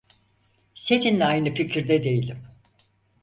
Seninle aynı fikirde değilim.